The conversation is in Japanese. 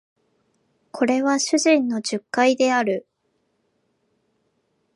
これは主人の述懐である